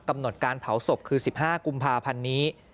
กำหนดการเผาศพคือ๑๕กุมภาพันธ์นี้